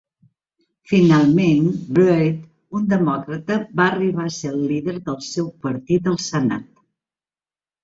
Finalment, Byrd, un demòcrata, va arribar a ser el líder del seu partit al Senat.